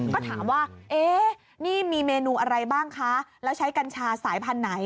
ก็ถามว่าเอ๊ะนี่มีเมนูอะไรบ้างคะแล้วใช้กัญชาสายพันธุ์ไหน